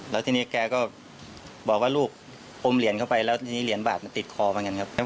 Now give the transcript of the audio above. แล้วทีนี้แกก็บอกว่าลูกอมเหรียญเข้าไปแล้วทีนี้เหรียญบาทมันติดคอเหมือนกันครับ